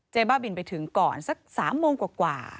บ้าบินไปถึงก่อนสัก๓โมงกว่า